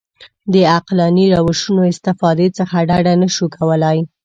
د عقلاني روشونو استفادې څخه ډډه نه شو کولای.